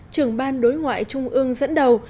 trưởng ban đối ngoại trung ương dẫn đầu